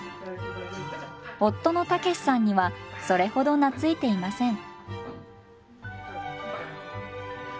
夫の毅さんにはそれほど懐いていません。